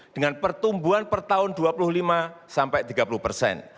dengan pertumbuhan per tahun dua puluh lima sampai tiga puluh persen